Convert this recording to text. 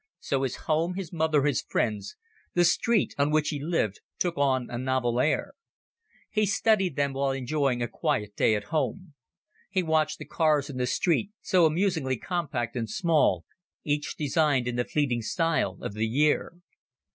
So his home, his mother, his friends, the street on which he lived, took on a novel air. He studied them while enjoying a quiet day at home. He watched the cars in the street, so amusingly compact and small, each designed in the fleeting style of the year.